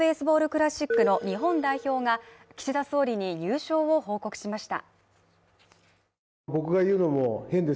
クラシックの日本代表が岸田総理に優勝を報告しました。